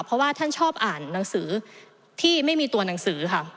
เพราะว่าท่านชอบอ่านหนังสือที่ไม่มีตัวหนังสือค่ะ